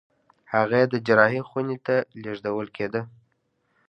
هغه چې د جراحي خونې ته لېږدول کېده